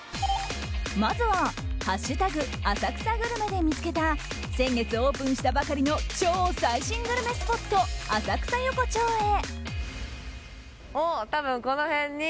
まずは「＃浅草グルメ」で見つけた先月オープンしたばかりの超最新グルメスポット浅草横町へ。